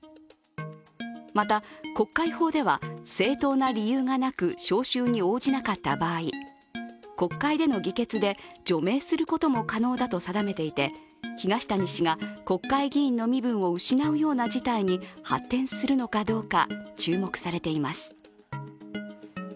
また、国会法では、正当な理由がなく召集に応じなかった場合、国会での議決で除名することも可能だと定めていて東谷氏が国会議員の身分を失うような事態に発展するのかどうか注目されています。